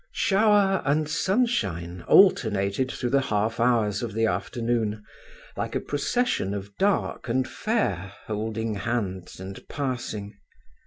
Shower and sunshine alternated through the half hours of the afternoon, like a procession of dark and fair holding hands and passing.